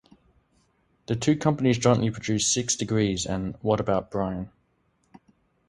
The two companies jointly produced "Six Degrees" and "What About Brian".